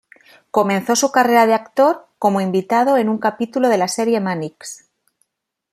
Comenzó su carrera de actor como invitado en un capítulo de la serie "Mannix".